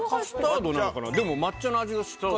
でも抹茶の味がしたり。